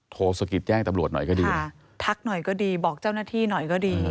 สะกิดแจ้งตำรวจหน่อยก็ดีทักหน่อยก็ดีบอกเจ้าหน้าที่หน่อยก็ดี